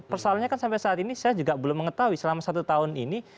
persoalannya kan sampai saat ini saya juga belum mengetahui selama satu tahun ini